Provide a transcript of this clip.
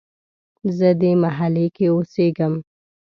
زه دې محلې کې اوسیږم